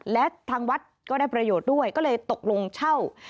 และทางวัดก็ได้ประโยชน์ด้วยก็เลยตกลงเช่า